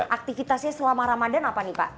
aktifitasnya selama ramadhan apa nih pak